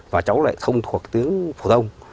và cháu lại không thuộc tiếng phổ thông